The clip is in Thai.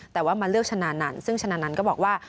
แต่ว่ามาเลือกชนะนันซึ่งชนะนันต์ก็บอกว่า